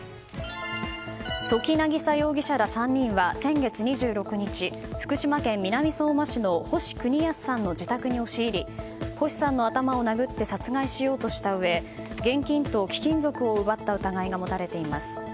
土岐渚容疑者ら３人は先月２６日福島県南相馬市の星邦康さんの自宅に押し入り星さんの頭を殴って殺害しようとしたうえ現金と貴金属を奪った疑いが持たれています。